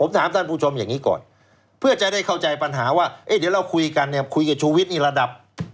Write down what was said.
ผมถามท่านผู้ชมอย่างนี้ก่อนเพื่อจะได้เข้าใจปัญหาว่าเอ๊ะเดี๋ยวเราคุยกันเนี่ยคุยกับชูวิทย์นี่ระดับ